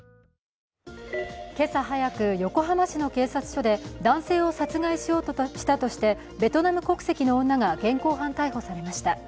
けさ早く、横浜市の警察署で男性を殺害しようとしたとしてベトナム国籍の女が現行犯逮捕されました。